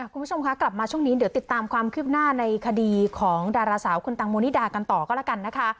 คุณผู้ชมคะกลับมาช่วงนี้เดี๋ยวติดตามความคืบหน้าในคดีของดาราสาวคุณตังโมนิดากันต่อก็แล้วกันนะคะ